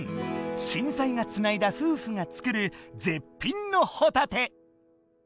震災がつないだ夫婦が作る絶品のほたて！